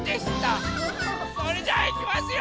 それじゃあいきますよ！